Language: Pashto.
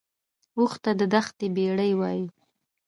اوښ ته د دښتې بیړۍ وایي